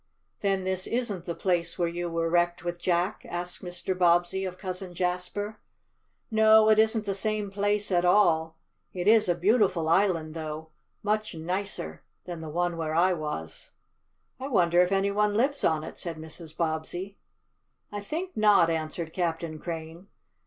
"Then this isn't the place where you were wrecked with Jack?" asked Mr. Bobbsey of Cousin Jasper. "No; it isn't the same place at all. It is a beautiful island, though; much nicer than the one where I was." "I wonder if any one lives on it," said Mrs. Bobbsey. "I think not," answered Captain Crane.